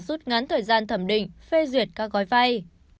rút ngắn thời gian thẩm định phê duyệt các gói vay